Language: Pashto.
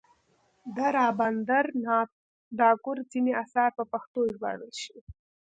د رابندر ناته ټاګور ځینې اثار په پښتو ژباړل شوي.